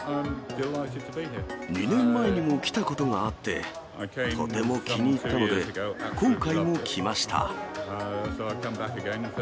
２年前にも来たことがあって、とても気に入ったので、今回も来ました。